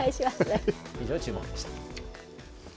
以上、チューモク！でした。